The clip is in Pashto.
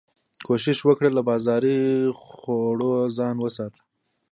کوښښ وکړه له بازاري خوړو ځان وساتي